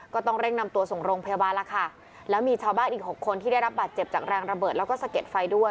ก็ต้องเร่งนำตัวส่งโรงพยาบาลแล้วค่ะแล้วมีชาวบ้านอีกหกคนที่ได้รับบาดเจ็บจากแรงระเบิดแล้วก็สะเก็ดไฟด้วย